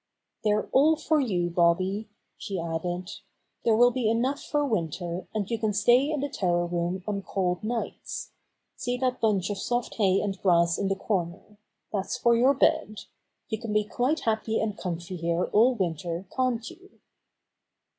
^They're all for you, Bobby," she added. "There will be enough for winter, and you can stay in the tower room on cold nights* See that bunch of soft hay and grass in the corner. That's for your bed. You can be quite happy and comfy here all winter, can't you?"